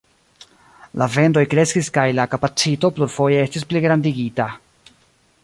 La vendoj kreskis kaj la kapacito plurfoje estis pligrandigita.